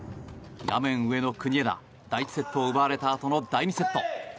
画面上の国枝第１セット奪われたあとの第２セット。